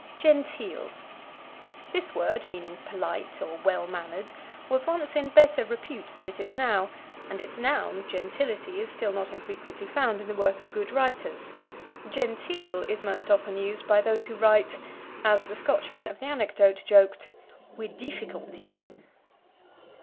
Genteel. This word, meaning polite, or well mannered, was once in better repute than it is now, and its noun, gentility, is still not infrequently found in the work of good writers. Genteel is most often used by those who write, as the Scotchman of the anecdote joked wi' deeficulty.